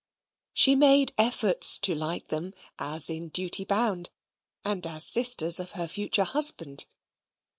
She made efforts to like them, as in duty bound, and as sisters of her future husband.